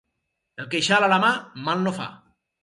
El queixal a la mà mal no fa.